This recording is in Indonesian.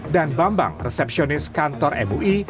dan bambang resepsionis kantor mui